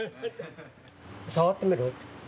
触ってみる？